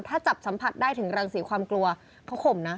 ถ้าจับสัมผัสได้ถึงรังสีความกลัวเขาข่มนะ